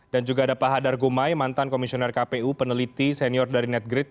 dan juga ada pak hadar gumai mantan komisioner kpu peneliti senior dari netgrid